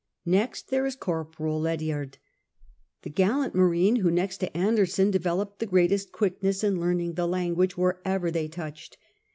Next, there is Corporal Lediard, that gallant marine who, next to Anderson, developed the greatest quickness in learning the language wherever they touched.